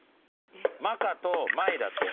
マカとマイだって。